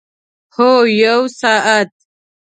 هو، یوه ساعت